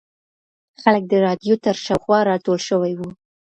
خلک د رادیو تر شاوخوا راټول شوي وو.